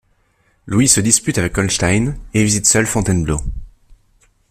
Louis se dispute avec Holnstein et visite seul Fontainebleau.